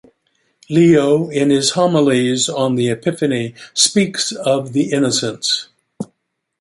Leo in his homilies on the Epiphany speaks of the Innocents.